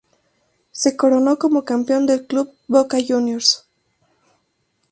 Se coronó como campeón el club Boca Juniors.